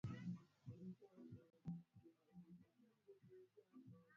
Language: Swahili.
Bila wewe ni nani awezaye